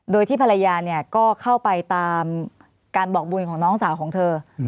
โดยที่ภรรยาเนี่ยก็เข้าไปตามการบอกบุญของน้องสาวของเธอ